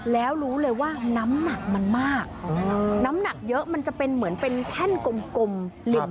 แล้วรู้เลยว่าน้ำหนักมันมากน้ำหนักเยอะมันจะเป็นเหมือนเป็นแท่นกลมริม